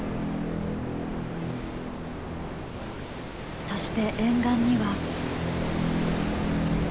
そして沿岸には。